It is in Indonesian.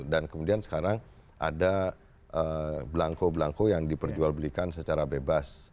dan kemudian sekarang ada belangko belangko yang diperjual belikan secara bebas